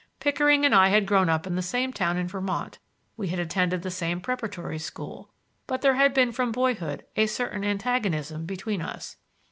Pickering and I had grown up in the same town in Vermont; we had attended the same preparatory school, but there had been from boyhood a certain antagonism between us.